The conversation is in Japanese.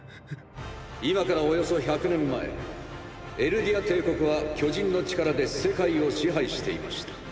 今からおよそ１００年前エルディア帝国は巨人の力で世界を支配していました。